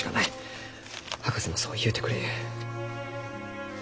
博士もそう言うてくれゆう。